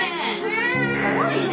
すごいね！